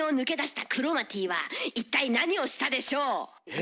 え？